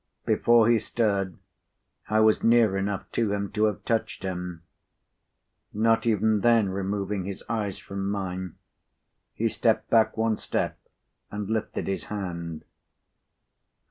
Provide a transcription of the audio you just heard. p. 92Before he stirred, I was near enough to him to have touched him. Not even then removing his eyes from mine, he stepped back one step, and lifted his hand.